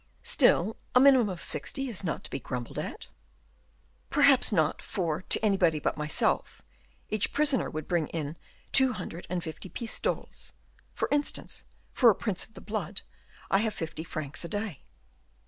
"Still a minimum of sixty is not to be grumbled at." "Perhaps not; for, to anybody but myself, each prisoner would bring in two hundred and fifty pistoles; for instance, for a prince of the blood I have fifty francs a day."